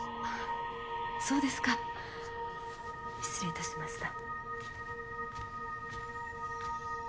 そうですか失礼いたしました。